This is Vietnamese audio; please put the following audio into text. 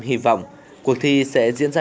hy vọng cuộc thi sẽ diễn ra